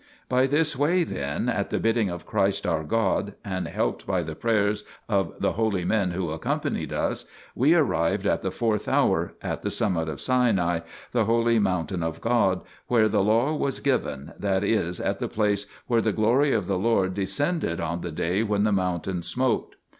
By this way, then, at the bidding of Christ our God, and helped by the prayers of the holy men who accompanied us, we arrived, at the fourth hour, at the summit of Sinai, the holy moun tain of God, where the law was given, that is, at the place where the Glory of the Lord descended on the day when the mountain smoked.